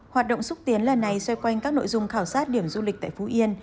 hoạt động xúc tiến lần này xoay quanh các nội dung khảo sát điểm du lịch tại phú yên